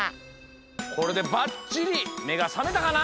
これでばっちりめがさめたかな？